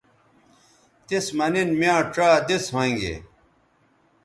تس مہ نن میاں ڇا دس ھوینگے